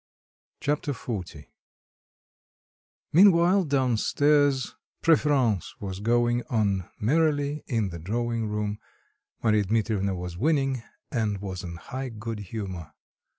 Chapter XL Meanwhile, down stairs, preference was going on merrily in the drawing room; Marya Dmitrievna was winning, and was in high good humour.